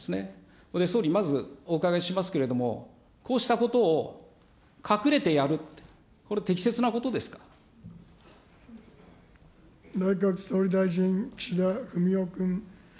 それで総理、まず、お伺いしますけれども、こうしたことを隠れて内閣総理大臣、岸田文雄君。